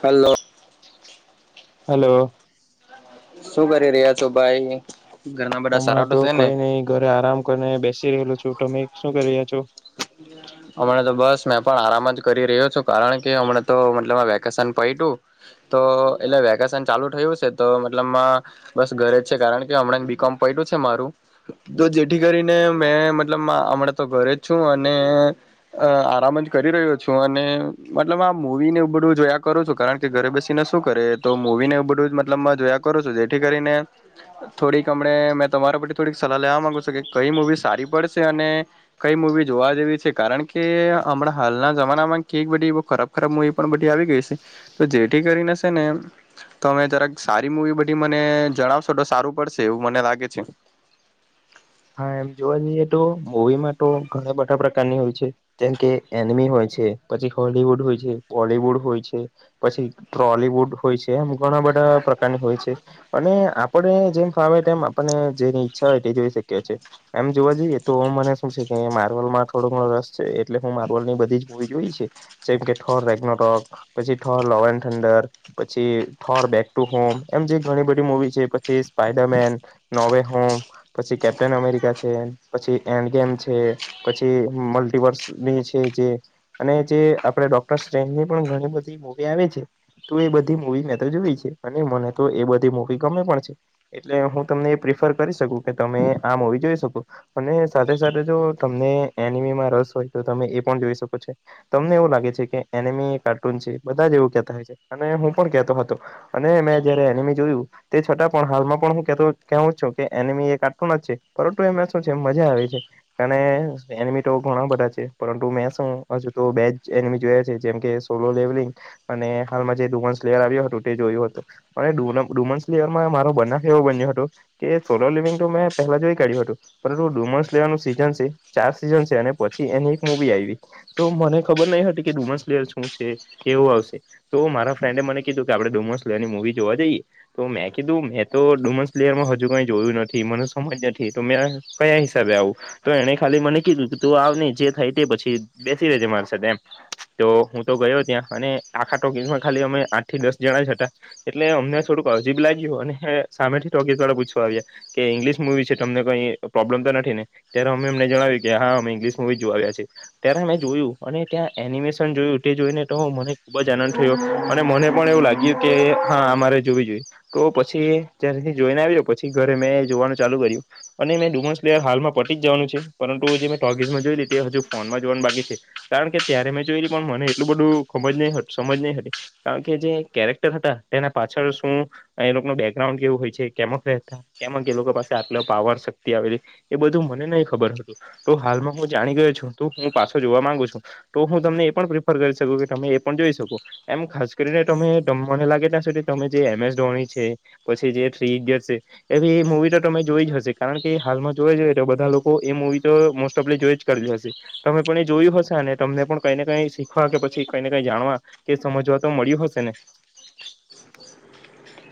Hello hello શું કરી રહ્યા છો ભાઈ ઘરના બધા સારા હમણાં તો છે ને કઈ નઈિ ઘરે આરામ કરીને બેસી રહેલું છું તોમે શું કર અમને તો બસ મે પણ આરામ જ કરી રહ્યો છું કારણ કે હમ તો મતલબ વેકેશન પું તો એટ વેકેશન ચાલુ થયું છે તો મતલબમાં બસ ઘરે જ છે કારણ કે હમણાં બીકોમ પ્યું છે મારું તો જેથી કરીને મેં મતલબ હમણાં તો ઘરે જ છું અને આરામ જ કરી રહ્યો છું અને મતલબ આ મુવીને ઉ બધું જોયા કરું છું કારણ કે ઘરે બેસીને શું કરે તો મવી ને એવું બધું જ મતલબમાં જોયા કરું છું જેથી કરીને થોડીક હમણાં મેં તમારા પરથી થોડીક સલાહ લેવા માંગુ છ કે કઈ મુૂવી સારી પડશે અને કઈ મુવી જોવા જેવી છે કારણ કે હમણાં હાલના જમાનામાં કઈક બધી બહ ખરાબ ખરાબ મુવી પણ બધી આવી જે કરી નેમે સારી મવી બધી મને જણાવશો સારું પડશે એવું મને લાગે છે હા જોવા જઈએ તો મવીમાં તો ઘણા બધા પ્રકારની હોય છે જેમ કે એનિમી હોય છે પછી હોલીવુડ હોય છે બોલીવુડ હોય છે પછી ટ્રોલીવુડ હોય છે મ ઘણા બધા પ્રકારની હોય છે અને આપડ જેમ આવે તેમ આપને જેની ઈચ્છા હોય તે જોઈ શકીએ છીએ એમ જોવા જોઈએ તો મને શું છે કે માર્બલ માં થોડો ઘણો રસ છે એટલે હું માર્વલ ની બધી જ હોવી જોઈ છે જેમ કે ઠોર રેગ્નો રોક પછી ઠોર લવ ઠંડર પછી ઠોર બેક ટુ હોમ એમ જે ઘણી બધી મુવી છે પછી સ્પાઈડર મેન નોવે હોમ પછી કેપ્ટન અમેરિકા છે બેન પછી એન્ડ કેમ છે પછી મલ્ટી વર્ષની છે જે અને જે પ આપે ડોક્ટર્ ટ્રેનની પણ ઘણી બધી મુવી આવે છે તો એ બધી મુવી મેં તો જોવી છે અને મને તો એ બધી મુવી ગમે પણ છે એટલે હું તમને ર કરી શ કે તમે આમ હોવી જોઈ શકો સાથે સાથે જો તમને એ રસ હોય તો તમે એ પણ જોઈ શકો છો તને લ કાર્ટૂ છે બધા એવુંય છે અને હું પણ કેતો હતો અને મે જોયું તે છતાં પણ હાલમાં પણવ છ કે એમી એ કાર્ટૂન છે પરંતુ એ મે છે મજા આવે છે અને એનીમી તો ઘણા બધા છે પરંતુ મે શું હજુ તો બેજ એ જોયા છે જેમ કે સોલો લેવલંગ અને હાલમાં જે ડુ સ્લેયર આવ્યો હતું તે જોયું હતું અને ડુમસ લવરમાં મારો બના એવું બન્યું હતું કે સોલોર લીવિંગ મેં પહેલા જોઈ કાઢ્યું હતું પરંતુ ડુમન્સ લેવાનું સીઝન છે ચાર સીઝન છે અને પછી એની એક મુવી આવી તો મને ખબર નહ ડુમન્સ લ શું છે એવું આવશે તો મારા ફ્રેન્ડે મને કીધું કે આપણે ડુમન્સ લેનીવી જોવા જ તો મેં કીધું મેં તો ડુમસલેયરમાં હજુ કઈ જોયું નથી મને સમજ નથી તો મેં કયા હિસાબે આવું તો એને ખાલી મને કીધું કે ત આવ નહી જે થાય તે પછી બેસી રજ મારશે તેમમ તો હું તો ગયો ત્યાં અને આખા ટોકીસમાં ખાલી અમે આઠ થી દસ જણા જ હતા એટલે અમને થોડુંક અજીબ લાગ્યું અને સામેથીોકીસ વાા પૂછવા આવ્યા કે ઇંગ્લિશ મુવી છે તમને કઈ પ્રોબ્લેમ તો નથી ને ત્યારે અમે અમને જણાવ્યું કે હા અમે ઇંગ્લિશ મુવી જોવા આવ્યા છે ત્યારે અમે જોયું અને ત એનિમેશન જોયું તે જોઈને તો હું મને ખુબ જ આનંદ થયો અને મને પણ એવું લાગ્યું કે હા આ મારે જોવી જોઈએ તો પછી ત જોઈને આવીજ પછી ઘરે મેં જોવાનું ચાલુ કર્યું અને મેં ડુમન્સ પ્લેયર હાલમાં પટી જવાનું છે પરંતુ જે મેંગીસમાં જોઈ તે હજુ ફોનમાં જોવાનું બાકી છે કારણ કે ત્યારે મેં જોયલી પણ મને એટલું બધું ખજ નહી સમજ નહી હતી કારણ કે જે કેરેક્ટર હતા પાછળ શું એ લોકો ન બેકગ્રાઉન્ડ કેવું હોય છે કેમકતા કેમક એ લોકો પાસે આટલો પાવર આવે એ બધું મને નહી ખબર હતું તોું હાલમાં હું જાણી ગયો છું તું હું પાછો જોવા માંગુ છું તો હું તમને એ પણ પ્રિફર કરી શકું કે તમે એ પણ જોઈ શકો એમ ખાસ કરીને ત મને લાગે ત્યાંધી તમે જે એમ એસ ધોની છે પછી જે થ્રી ઇડિયટ છે એવી મુવી તો તમે જોઈ જ હશે કારણ કે હાલમાં જોઈ જોએટલે બધા લોકો એ મુવી તો મોસ્ટ ઓફલી જોઈ જ કરજ હશે તમે પણ એ જોયું હશે અને તમને પણ કઈ ને કઈ શીખવા કે પછી કઈ ને કઈ જાણવા કે સમજવા તો મળ્યું હશે ને [inaudible]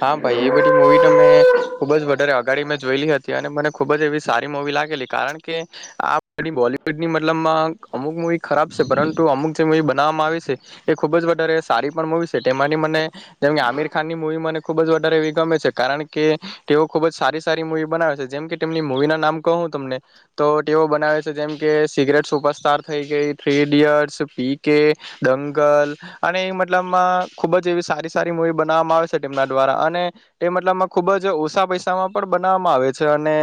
હા ભાઈ એ બધી મુવી તો મેં ખુબ જ વધારે અઘાડી જોયેલી હતી અને મને ખૂબ જ એવી સારી મવી લાગેલી કારણ કે આપણી બોલિવૂડની મતલબમાં અમુક મૂવી ખરાબ છે પરંતુ અમુક જે મૂવી બનાવામાં આવે છે એ ખુબ જ વધારે સારી પણ મૂવી છે ની મને જેમ કે આમીર ખાન ની મુવી મને ખુબ જ વધારે વિગમે છે કારણ કે તેઓ ખુબ જ સારી સારી મૂવી બનાવે છે જેમ કે તેમની મુવી ના નામ કહું તમને તો તેવ બનાવે છે જેમ કે સિગરેટ સુપરસ્ટાર થઈ ગઈ થ્રી ઇડિયટસ પીક કે દંગલ અને એ મતલબમાં ખુબ જ એવી સારી સારી મૂવી બનાવવામાં આવે છે તેમ દ્વારા અને તે મતલબમાં ખુબ જ ઓછા પૈસામાં પણ બનાવવામાં આવે છે અને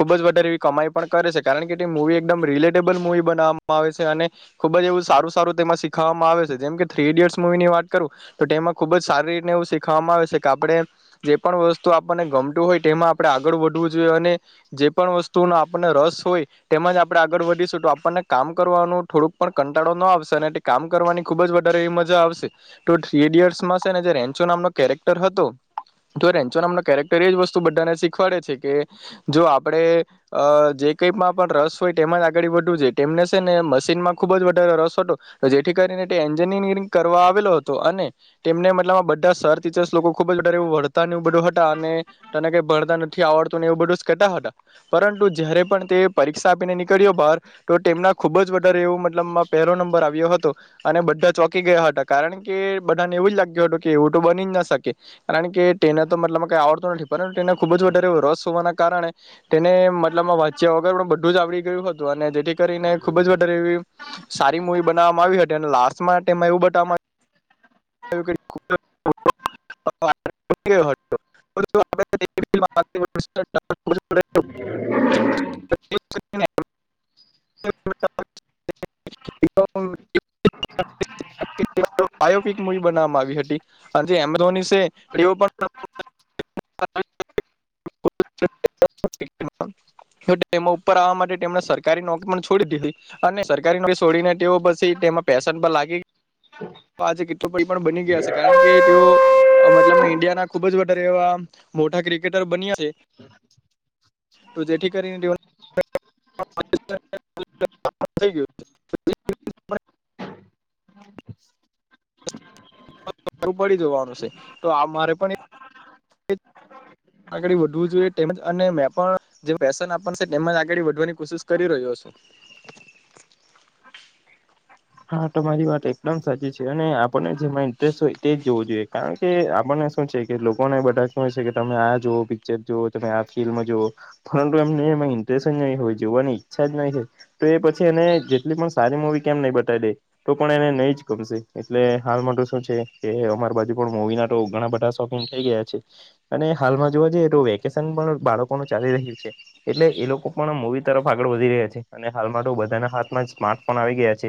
ખુબ જ ક પણ કરે છે કારણ કે મુવી એકદમ રિલેટેબલ મુવી બનાવામાં આવે છે અને ખુબ જ એવું સારું સારું તેમાં સીખવામાં આવે છે જેમ કે થ્રી ઇડિયટ્ મુવી ની વાત કરું તો તે એમાં ખુબ જ સારી રીતેનેવું સીખવામાં આવે છે કે આપણે જે પણ વસ્તુ આપણને ગમતું હોય તેમાં આપણે આગળ વધવું જોઈએ અને જે પણ વસ્તુ વતુ આપણને રસ હોય તેમજ આપણે આગળ વધીશું તો આપણને કામ કરવાનું થોડુંક પણ કંટાળો ન આવશે કામ કરવાની ખુબ જ વધારે એવી મજા આવશે તો થ્રી ડિયર્સમાં છે ને જે રેન્ચો નામનો કેક હતો જો રેન્ચો નામનો કેરેક્ટર એ જ વસ્તુ બધાને શીખવાડે છે કે જો આપડણે જે પણ રસ હોય તેમાં જ આગળ વધું જોઈ તેમને છે ને મશીનમાં ખુબ જ વધારે રસ હતો જેથી કરી એન્જિનિયરિંગ કરવા આવેલો હતો અને તેમને મતલબ આ બધા સર્ ટીચર્સ લોકો ખુબ જ વધારે ભણતા નેવ બધું હતા અને તને કઈ ભણતા નથી આવડતા બુંતા હતા પરંતુ જયારે પણ તે પરીક્ષા આપીને નીકળ્યો બહાર તો તેમના ખુબ જ એવ મતલબ પહેલો નંબર આવ્યો હતો અને બધા ચોકી ગયા હતા કારણ કે બધાને એવું જ લાગ્યું કે એવું બર ના શકે કારણ કે ટ્રેને તો મતલબ કઈ આવડતો નથી પ ટ્રેન ખુબ જ વધારે રસ હોવાના કારણે તેને મતલબમાં વાંચ્યા વગર પણ બધું જ આવડી ગયું હતું અને જે થી કરીને ખુબ જ વધારે એવી સારી મુવી બનાવવામાં આવી હતી અને લાસ્ટ માટે એવું બતાવમા [unintelligible] [unintelligible] [unintelligible] [unintelligible] મુવી બનાવામાં આવી હતી જે એમે ધોની છે એ પણ [unintelligible] [unintelligible] એ એમાં ઉપર આવવા માટે તેમણે સરકારી નોકરી પણ છોડી દીઘી અને સરકારી નોકરી છોડીને તેઓ પસી એમાં પેેશન પર લાગી તો આજે કેટલો પડી પણ બની ગયા છે કારણ કે તેઓ મતલબ ઈન્ડિયાના ખુબ જ વધારે મોટા ક્રિકેટર બન્યા છે. [inaudible] તો જેથી કરીને દે [unintelligible] થઇ ગિયું [unintelligible] [inaudible] [unintelligible] પડી જવાનું છે તો આ મારે પણ એ [inaudible] આગળી વધવું જોઈએ તેમજ અને મેં પણ જે પેશન આપવાનું છે તેમજ આગળી વધવાની કોશિશ કરી રહ્યો છે. [inaudible] [inaudible] હા તમારી વાત એકદમ સાચી છે અને આપણને જેમાં ઇન્ટરેસ્ટ હોય તે જ જોવું જોઈએ કારણ કે આપન ને છે કે લોકોને બધા શું છે કે તમે આ જો પિક્ચર જો તમે આ ફિલ્ડ જો પરંતુ એમ એમાં ઇન્ટરેસ્ટ જ નય હોય જોવાની ઈચ્છા જ નહી હોય તો એ પછી એને જેટલી પણ સારી મુવી કેમ નહિ બ તાઈ દે તો પણ એને નહી જ ગમશે એટલે હાલ માટે શું છે કે અમાર બાજુ પણ મુવી ના તો ઘણા બધા શોપિંગ થઈ ગયા છે અને હાલમાં જોવા જઈએ તો વેકેશન પણ બાળકોનુ ચાલી રહ્યું છે એટલે એ લોકો પણ મૂવી તરફ આગળ વધી રહ્યા છે અને હાલમાં તો બધાના હાથમાં સ્માર્ટફોન આવી ગયા છે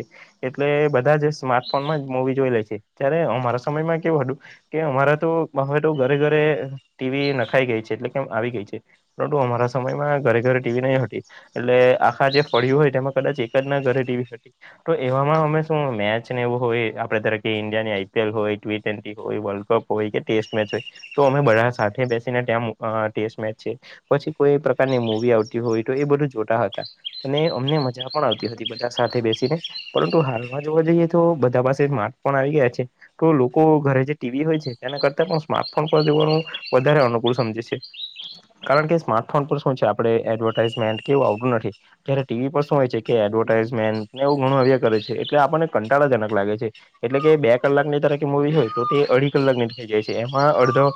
એટલે બધા જ સ્માર્ટફોનમાં જ મુવી જોઈ લે છે ત્યારે અમારા સમયમાં કેવું હતું કે અમારા તો હવે તો ઘરે ઘરે ટીવી નખાઈ ગઈ છે એટલે કે આવી ગઈ છે પરંતુ અમારા સમયમાં ઘ ઘરે ટીવી નહી હતી એટલે આખા જે ફળ હોય તેમાં કદાચ એક જ ના ઘરે ટીવી હતી તો એવામાં અમે શું મેચ ને એવું હોય આપડે તરકે ઈન્ડિયા ની આઈ પી એલ હોય ટી ટ્વેન્ટી હોય વર્લ્ડ કપ હો યે કે ટેસ્ટ મેચ હોય તો અમે બધા સાથે બેસીને ત્યા ટેસ મેચ છે પછી કોઈ પ્રકારની મુવી આવતી હોય તો એ બધું જોતા હતા અને અમને મજા પણ આવતી હતી બધા સાથે બેસીને પરંતુ હાલમાં જોવા જઈએ તો બધા પાસે સ્માર્ટફોન આવી ગયા છે તો લોકો ઘરે જે ટીવી હોય છે એના કરતા પણ સ્માર્ટફોન પર જોવાનું વધારે અનુકૂળ સમજે છે કારણ કે સ્માર્ટફોન પર શું છે આપડે એડવર્ટાઈઝમેન્ટ કેવું આવડું નથી ક્યારે ટીવી પર શું હોય છે કે એડવર્ટઝમેન્ટ એવું ઘણુ આવે છે એટલે આપણને કંટાળાજનક લાગે છે એટલે કે બે કલાકની તર મુવી હોય તો તે અઢી કલાકની જાય છે એમાં અડધો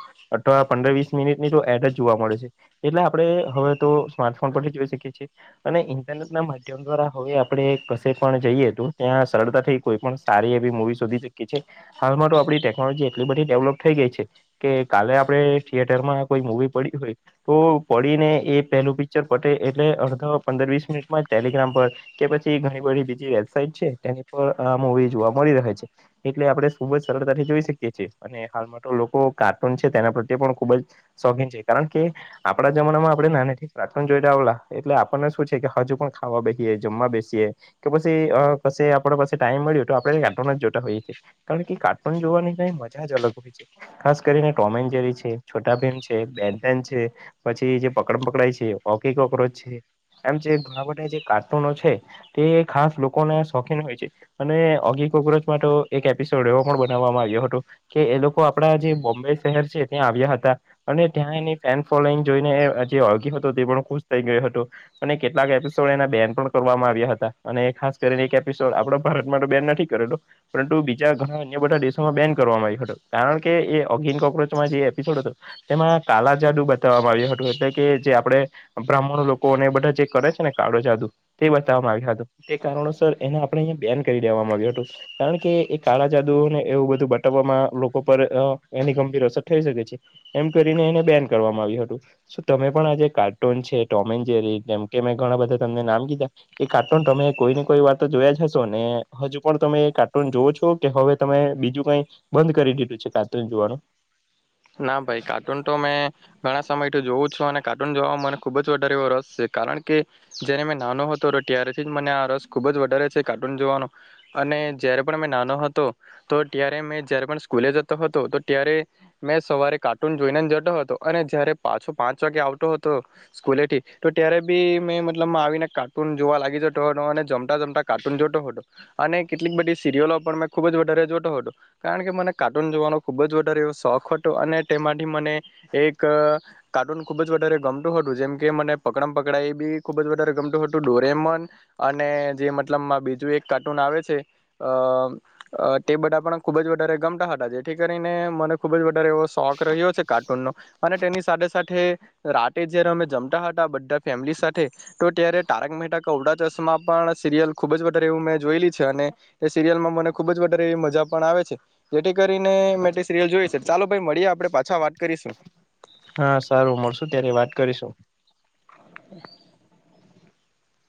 પંદર વીસ મિનિટની તો એડ જ જોવા મળે છે એટલે આપડે હવે તો તો સ્માર્ટફોન પરથી જોઈ શકીએ અને ઇન્ટરનેટ ના માધ્યમ દ્વારા હવે આપડે કશે પણ જઈએ ત્યાં સરળતા થઈ કોઈ પણ સારી એવી મુવી શુંધી શકી છે હાલમાં તો આપડી ટેકનોલોજી એટલી બધી ડેવલપ થઈ ગઈ છે કે કાલે આપડે થિયેટરમાં કોઈ મુવી પડી હોય તો પડીને એ પે લું પિક્ચર પટે એટલે અડધો પંદર વીસ મિનિટમાં ટેલિગ્રામ પર કે પછી ઘણી બધી બીજી એ સાઈટ છે તેની પર આ મુવી જોવા મળી રહે છે એટલે આપડે ખુબ જ સરળતાથી જોઈ શકીએ છે અને હાલમા તો લોકો કાર્ટૂન છે તેના પ્રત્યે પણ ખુબ જ શોખીન છે કારણ કે આપડા જમાનામાં આપડે ના જોઈલા એટલે આપણને શું છે કે હજુ પણ ખાવા બેસીએ જમવા બેસીએ કે પછ અ આપડા પાસે ટાઈમ મળ્યો તો આપડે કાર્ટૂન જ જોતા હોઈએ કારણ કે કાર્ટૂન જોવાની કઈ મઝા જ અલગ હોય છે ખાસ કરીને ટોમેનજેરી છે, છોટા ભીમ છે, બેન ટેન છે, પછી જે પ કડમ પકડાય છે ઓકી કોક્રોચ છે એમ જે ઘણા બધા જે કાર્ટૂનો છે તે ખાસ લોકોને શોખીન હોય છે અને ઓગી કોકરોચ માટે એક એપિસોડ એવો પણ બનાવવામાં આવ્યો હતો કે એ લોકો આપડા જે બોમ્બે શહેર છે ત્યાં આવ્યા હતા અને ત્યાં એની ફેન ફોલોઈંગ જોઈને એ જે ઓર્ગી હતો તે પણ ખુશ થઈ ગયો હતો અને કેટલાક એપિસોડ એના બેન પણ કરવામાં આવ્યા હતા. અને ખાસ કરીને એક એપિસોડ આપડ ભારતમાં બેન નથી કરેલો પરંતુ બીજા ઘણા અન્ય બધા દેશોમાં બેન કર કરવામાં આવી હતો કારણ કે એ ઓગીન કોક્રોચમાં જે એપિસોડ હતો તેમાં કાલા જાદુ બતાવવામાં આવ્યું હતું એટલે કે જે આપડે બ્રાહ્મણો લોકો અને એ બધા જે કરે છે ને કાળો જાદુ તે બતાવમાં આવ્યા હતું. તે કારણોસર એને આપણે અહીયા બેન કરી દે આવ્યું હતું કારણ કે એ કાળા જાદુઓને એવું બધું બતા લોકો માં લોકો પર આ એની ગંભીર અસર થઈ શકે છે એમ કરીને એને બેન કરવામાં આવ્યું હતું. તમે પણ આ જેે કાર્ટૂન છે ટોમેન જેરી જેમ કે મેં ઘણા બધા તમને નામ કીધા એ કાર્ટૂન તમે કોઈ ને કોઈ વાર તો જોયા જ હશો ને હજુ પણ તમે કાર્ટૂન જોવો છો કે હવે તમે બીજું કઈ બંધ કરી દીધું છે કાર્ટુન જોવાનું. ના ભાઈ કાર્ટૂન તો મેં ઘણા સમય તો જોવું શું અને કાર્ટૂન જોવામાં મને ખુબ જ વધારે ઓ રસ છે કારણ કે જેને મે નાનો હતો ત્યારે મને આ રસ ખૂબ જ વધારે છે કાર્ટૂન જોવાનો અને જયારે પણ મે નાનો હતો તો ત્યારે મે જ્યારે પણ પણ સ્કૂલે જતો હતો તો ત્યારે મેં સવારે કાર્ટૂન જોઈનેને જતો હતો અને જયારે પાછો પાંચ વાગે આવતો હતો સ્કૂલેથી તો ત્યારે બી મેં મતલબમાં આવીને કાર્ટૂન જોવા લાગી જતો હતો અને જમતા જમતા કાર્ટૂન જોતો હતો અને ને કેટલીક બધી સીરિલો પણ મે ખુબ જ વધારે જોતો હતો કારણ કે મને કાર્ટૂન જોવાનો ખુબ જ વધારે એવો શોખ હતો અને તેમાંથી મને એક કાર્ટુન ખૂબ જ વધારે ગમતું હતું જેમ કે મને પકડા પકડમ પકડાઈ બી ખુબ જ વધારે ગમતું હતું ડોરેમન અને જે મતલબ બીજું એક કાર્ટૂન આવે છે આ આ તે બધા પણ ખુબ જ વધારે ગમતા હતાથી કરીને મને ખુબ જ વધારે એવો શોખ રહ્યો છે કાર્ટૂનો અને તેની સાથે સાથે રાતે જયારે અમે જમતા હતા બધા ફેમિલી સાથે તો ત્યારે તારક મહેતા મહેતા કા ઉલ્ટા ચશ્મા પણ સરિયલ ખુબ જ વધારે એવું મે જોયેલી છે અને તે સિરિલમાં મને ખૂબ જ વધારે મજા પણ આવે છે જેથી કરીને મે તે સરલ જોઈ છે. ચાલો ભાઈ મળીએ આપડે પાછા વાત કરીશું. હા સારું મળશુ ત્યારે વાત કરીશું. [inaudible]